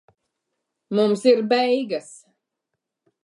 Mums ir beigas.